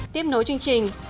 tiếp nối chương trình